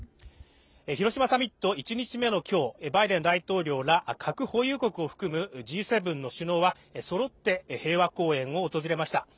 広島サミット１日目のきょうバイデン大統領ら核保有国を含むＧ７の首脳はそろって平和公園を訪れました。